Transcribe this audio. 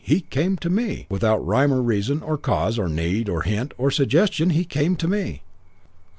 He came to me! Without rhyme, or reason, or cause, or need, or hint, or suggestion he came to me!'